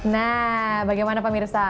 nah bagaimana pak mirsa